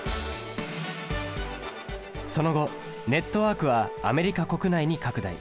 その後ネットワークはアメリカ国内に拡大。